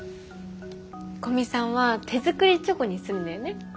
古見さんは手作りチョコにするんだよね？